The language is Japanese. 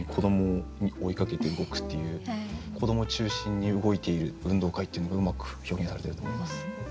子ども中心に動いている運動会っていうのがうまく表現されていると思います。